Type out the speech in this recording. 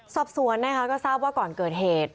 สอบสวนนะคะก็ทราบว่าก่อนเกิดเหตุ